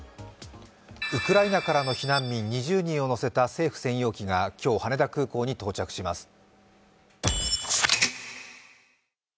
ウクライナからの避難民２０人を乗せた政府専用機が今日、羽田空港に到着します。